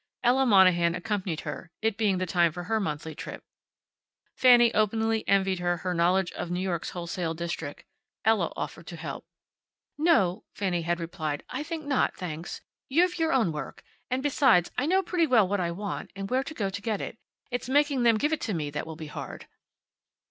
Ella Monahan accompanied her, it being the time for her monthly trip. Fanny openly envied her her knowledge of New York's wholesale district. Ella offered to help her. "No," Fanny had replied, "I think not, thanks. You've your own work. And besides I know pretty well what I want, and where to go to get it. It's making them give it to me that will be hard."